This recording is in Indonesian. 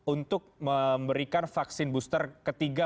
untuk memberikan vaksin booster ketiga